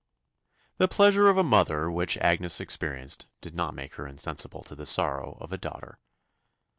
The pleasure of a mother which Agnes experienced did not make her insensible to the sorrow of a daughter.